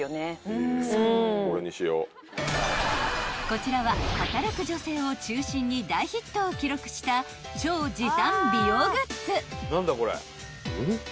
［こちらは働く女性を中心に大ヒットを記録した超時短美容グッズ］